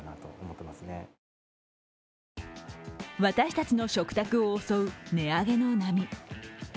私たちの食卓を襲う値上げの波。